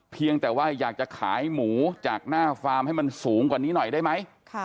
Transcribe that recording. เพียงแต่ว่าอยากจะขายหมูจากหน้าฟาร์มให้มันสูงกว่านี้หน่อยได้ไหม